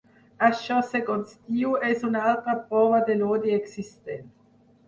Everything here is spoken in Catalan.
Això, segons diu, és ‘una altra prova de l’odi existent’.